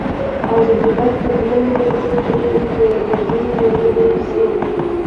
عرض البلد تر نوي درجو پورې بدلون موندلی شي